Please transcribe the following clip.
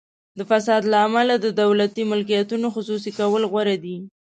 د فساد له امله د دولتي ملکیتونو خصوصي کول غوره دي.